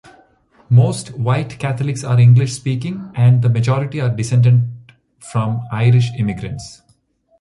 Most white Catholics are English speaking, and the majority are descended from Irish immigrants.